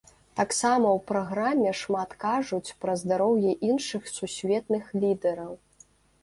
Таксама ў праграме шмат кажуць пра здароўе іншых сусветных лідараў.